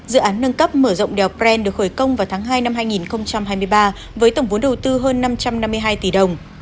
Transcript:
dự án nâng cấp mở rộng đèo bren được khởi công vào tháng hai năm hai nghìn hai mươi ba với tổng vốn đầu tư hơn năm trăm năm mươi hai tỷ đồng